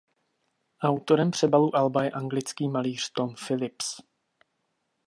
Autorem přebalu alba je anglický malíř Tom Phillips.